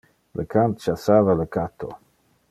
Le can chassava le catto.